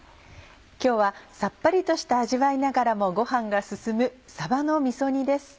今日はさっぱりとした味わいながらもご飯が進むさばのみそ煮です。